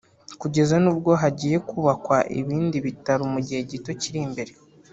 kugeza n’ubwo hagiye kubakwa ibindi bitaro mugihe gito kiri imbere”